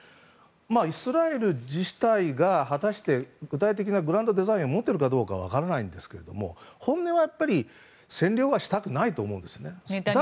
イスラエル自体が果たして具体的なグランドデザインを持っているかどうか分からないんですけど本音は占領はしたくないと思うんですよね。